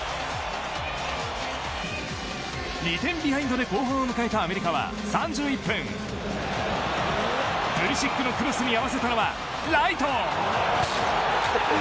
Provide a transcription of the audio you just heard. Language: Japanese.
２点ビハインドで後半を迎えたアメリカは３１分プリシックのクロスに合わせたのはライト。